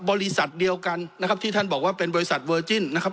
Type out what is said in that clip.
บริษัทเดียวกันนะครับที่ท่านบอกว่าเป็นบริษัทเวอร์จิ้นนะครับ